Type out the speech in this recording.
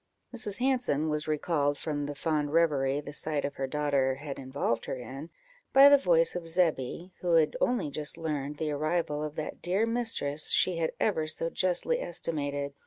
Mrs. Hanson was recalled from the fond reverie the sight of her daughter had involved her in, by the voice of Zebby, who had only just learned the arrival of that dear mistress she had ever so justly estimated.